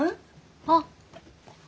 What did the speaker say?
あっ。